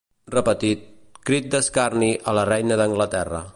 Repetit, crit d'escarni a la reina d'Anglaterra.